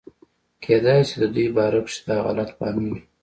کېدے شي دَدوي باره کښې دا غلط فهمي وي